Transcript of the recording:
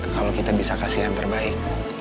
kalau kita bisa kasih yang terbaik